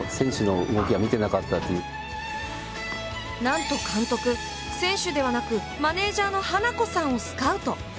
なんと監督、選手ではなくマネージャーの華子さんをスカウト。